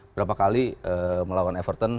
berapa kali melawan everton